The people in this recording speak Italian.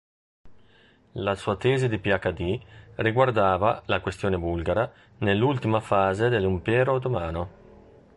La sua tesi di PhD riguardava la "Questione bulgara" nell'ultima fase dell'Impero ottomano.